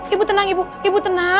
ibu tenang ibu